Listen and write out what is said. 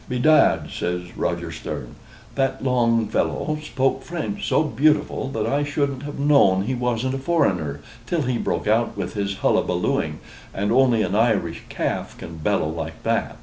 "Bedad," says Roger Sterne, "that long fellow spoke French so beautiful that I shouldn't have known he wasn't a foreigner, till he broke out with his hulla ballooing, and only an Irish calf can bellow like that."